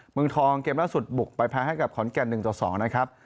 เมืองทองเกมล่าสุดบุกไปแพ้ให้กับขอนแก่น๑ต่อ๒นะครับ